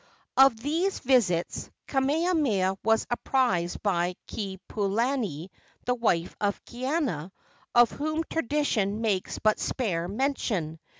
Of these visits Kamehameha was apprised by Kepupuohi, the wife of Kaiana, of whom tradition makes but spare mention.